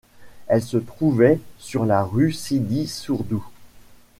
Elle se trouvait sur la rue Sidi Sourdou.